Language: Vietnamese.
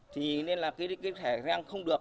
thì nên là cái thời gian không được